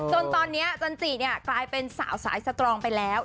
จนตอนนี้จันจิเนี่ยกลายเป็นสาวสายสตรองไปแล้ว